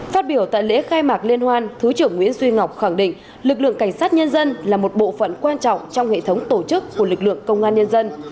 phát biểu tại lễ khai mạc liên hoan thứ trưởng nguyễn duy ngọc khẳng định lực lượng cảnh sát nhân dân là một bộ phận quan trọng trong hệ thống tổ chức của lực lượng công an nhân dân